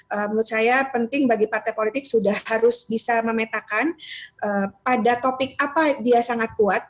menurut saya penting bagi partai politik sudah harus bisa memetakan pada topik apa dia sangat kuat